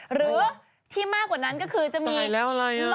หรือที่มากกว่านั้นคือจะมีตายแล้วอะไร